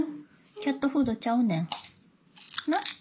キャットフードちゃうねんな？